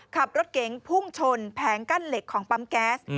ขับรถเก๋งพุ่งชนแผงกั้นเหล็กของปั๊มแก๊ส